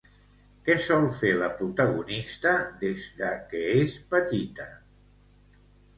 Què sol fer la protagonista des de que és petita?